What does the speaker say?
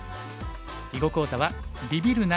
囲碁講座は「ビビるな！